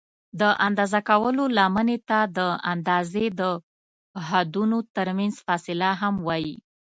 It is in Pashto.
د اندازه کولو لمنې ته د اندازې د حدونو ترمنځ فاصله هم وایي.